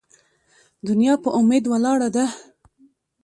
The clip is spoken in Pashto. ـ دنيا په اميد ولاړه ده.